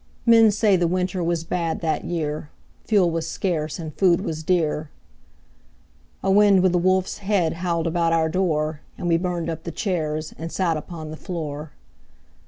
Men say the winter Was bad that year; Fuel was scarce, And food was dear. A wind with a wolf's head Howled about our door, And we burned up the chairs And sat upon the floor.